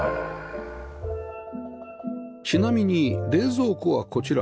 ちなみに冷蔵庫はこちら